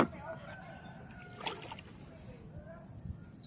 ทดสอบ